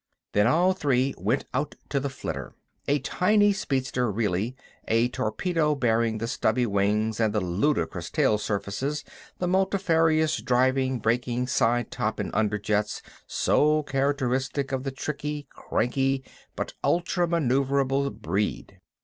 Then all three went out to the flitter. A tiny speedster, really; a torpedo bearing the stubby wings and the ludicrous tail surfaces, the multifarious driving , braking , side , top , and under jets so characteristic of the tricky, cranky, but ultra maneuverable breed.